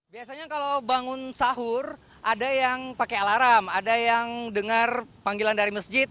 biasanya kalau bangun sahur ada yang pakai alarm ada yang dengar panggilan dari masjid